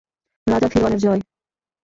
রাজা ফিওরনেরের জয়!